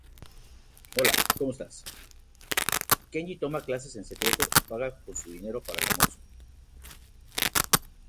Kenji toma clases en secreto, y paga con su dinero para el almuerzo.